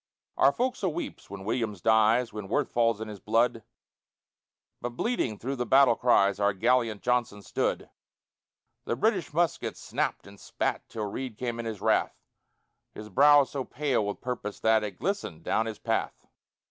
Our fo'c'sle weeps when Williams dies, When Worth falls in his blood, But bleeding through the battle cries Our gallant Johnson stood; The British muskets snapt and spat Till Reid came in his wrath, His brow so pale with purpose that It glistened down his path.